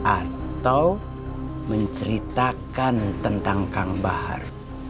atau menceritakan tentang kang bahar